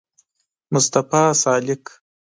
مصطفی سالک